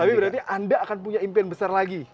tapi berarti anda akan punya impian besar lagi